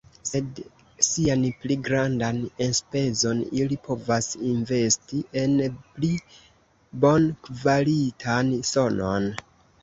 Sed sian pli grandan enspezon ili povas investi en pli bonkvalitan sonon.